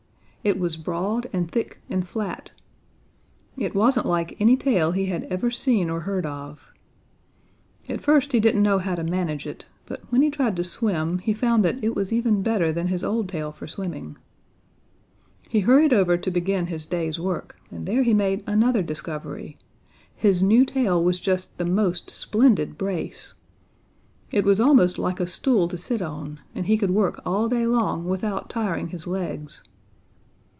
It was broad and thick and flat. It wasn't like any tail he had ever seen or heard of. At first he didn't know how to manage it, but when he tried to swim, he found that it was even better than his old tail for swimming. He hurried over to begin his day's work, and there he made another discovery; his new tail was just the most splendid brace! It was almost like a stool to sit on, and he could work all day long without tiring his legs.